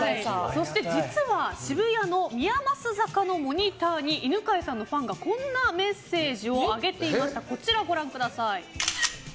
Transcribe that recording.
そして、実は渋谷の宮益坂のモニターに犬飼さんのファンがこんなメッセージを上げていました。